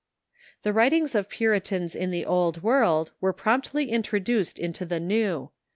The writings of Puritans in the Old World were promptly introduced into the New.